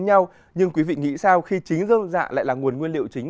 nhau nhưng quý vị nghĩ sao khi chính dơm dạ lại là nguồn nguyên liệu chính